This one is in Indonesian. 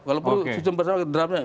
kalau perlu sukses bersama kita draftnya